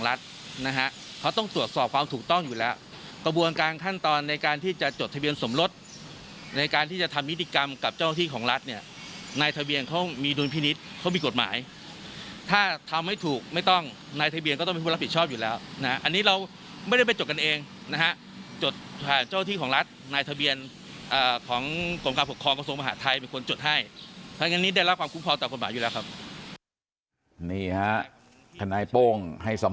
ของรัฐนะฮะเขาต้องตรวจสอบความถูกต้องอยู่แล้วกระบวนกลางขั้นตอนในการที่จะจดทะเบียนสมรสในการที่จะทำมิติกรรมกับเจ้าที่ของรัฐเนี่ยในทะเบียนเขามีดุลพินิษฐ์เขามีกฎหมายถ้าทำไม่ถูกไม่ต้องในทะเบียนก็ต้องรับผิดชอบอยู่แล้วนะอันนี้เราไม่ได้ไปจบกันเองนะฮะจดหาเจ้าที่ของรัฐในทะเบี